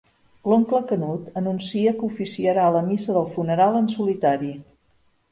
L'oncle Canut anuncia que oficiarà la missa del funeral en solitari.